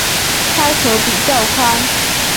开口比较宽